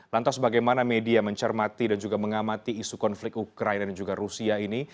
lantas bagaimana media mencermati dan juga mengamati isu konflik ukraina dan juga rusia ini